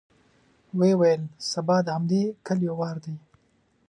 ويې ويل: سبا د همدې کليو وار دی.